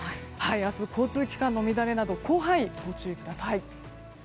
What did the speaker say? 明日、交通機関の乱れなど広範囲でご注意ください。